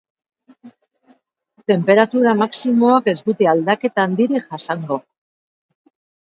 Tenperatura maximoak ez dute aldaketa handirik jasango.